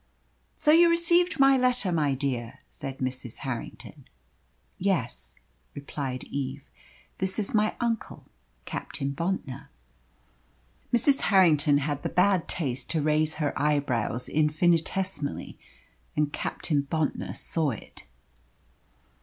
"So you received my letter, my dear," said Mrs. Harrington. "Yes," replied Eve. "This is my uncle Captain Bontnor." Mrs. Harrington had the bad taste to raise her eyebrows infinitesimally, and Captain Bontnor saw it.